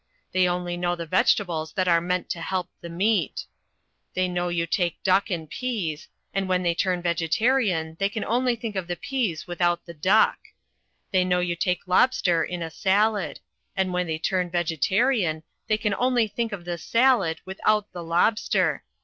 They only know the vegetables that are meant to help the meat. They know you take duck and peas; and when they turn vegetarian they can only think of the peas without the duck. They know you take lobster in a salad ; and when they turn vegetarian they can only think of the salad without the lobster.